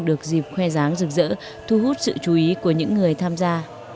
được dịp khoe giáng rực rỡ thu hút sự chú ý của những người tham gia